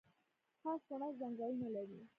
خاص کونړ ځنګلونه لري؟